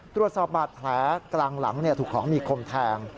ตรวจสอบบาดแผลกลางหลังถูกของมีคมแทง